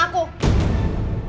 kayak temen temen aku